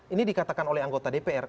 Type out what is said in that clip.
ini dikatakan oleh anggota dpr